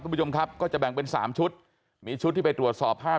คุณผู้ชมครับก็จะแบ่งเป็นสามชุดมีชุดที่ไปตรวจสอบภาพ